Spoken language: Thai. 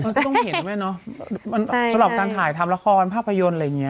ที่ต้องเพียงด้วยเนอะสำหรับการถ่ายทำละครภาพยนตร์อะไรแบบนี้